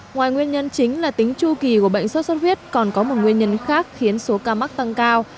ngoài nguyên nhân chính là tính chu kỳ của bệnh sốt xuất huyết còn có một nguyên nhân khác khiến số ca mắc tăng cao